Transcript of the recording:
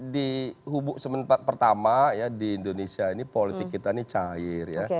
di hubu semen pertama ya di indonesia ini politik kita ini cair ya